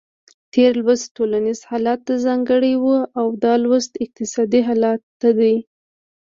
تېر لوست ټولنیز حالت ته ځانګړی و او دا لوست اقتصادي حالت ته دی.